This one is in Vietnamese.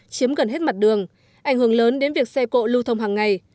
chiếm gần hết mặt đường ảnh hưởng lớn đến việc xe cộ lưu thông hàng ngày